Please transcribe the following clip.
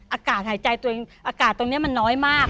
อากาศหายใจตัวเองอากาศตรงนี้มันน้อยมาก